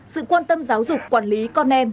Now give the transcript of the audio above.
sự quan tâm giáo dục quản lý con em